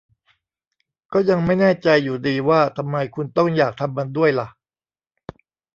ก็ยังไม่แน่ใจอยู่ดีว่าทำไมคุณต้องอยากทำมันด้วยล่ะ